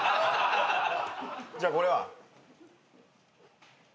じゃあこれは？